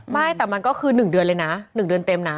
ไม่แต่มันก็คือ๑เดือนเลยนะ๑เดือนเต็มนะ